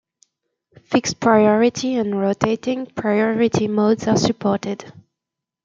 Fixed priority and rotating priority modes are supported.